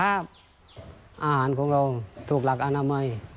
อาหารของเราถูกหลักอนามัย